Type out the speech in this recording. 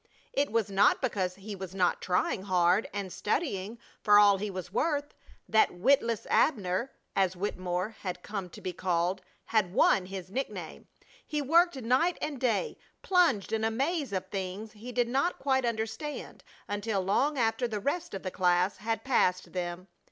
It was not because he was not trying hard, and studying for all he was worth, that "Witless Abner," as Wittemore had come to be called, had won his nickname. He worked night and day, plunged in a maze of things he did not quite understand until long after the rest of the class had passed them.